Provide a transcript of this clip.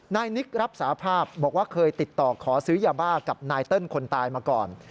นายนิกรับสาภาพบอกว่าเคยติดต่อขอซื้อยาบ้ากับนายเติ้ลคนตายมาก่อน